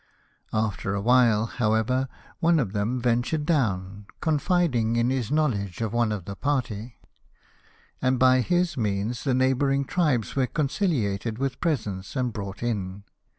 After a while, however, one of them ventured down, confiding in his knowledge of one of the party ; and by his means the neighbouring tribes were conciliated with presents, and brought in.